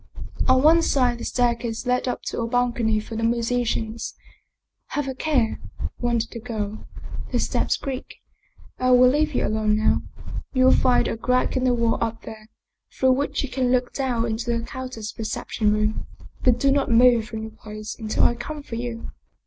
On one side a staircase led up to a balcony for the musicians. " Have a care," warned the girl. " The steps creak. I will leave you alone now. You will find a crack in the wall up there, through which you can look down into the countess's reception room. But do not move from your place until I come for you."